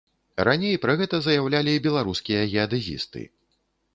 Раней пра гэта заяўлялі беларускія геадэзісты.